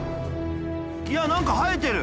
いなんか生えてる。